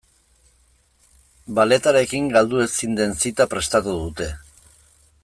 Balletarekin galdu ezin den zita prestatu dute.